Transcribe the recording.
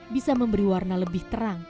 bisa memberi warna lebih terang